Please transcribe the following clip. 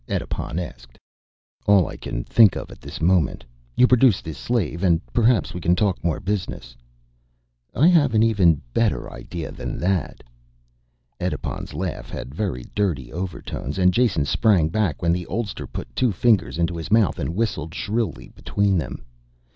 Edipon asked. "All I can think of at this moment. You produce this slave and perhaps we can talk more business." "I have an even better idea than that." Edipon's laugh had very dirty overtones and Jason sprang back when the oldster put two fingers into his mouth and whistled shrilly between them.